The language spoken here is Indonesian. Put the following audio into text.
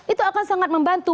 itu akan sangat membantu